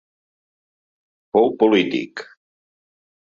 Fou polític.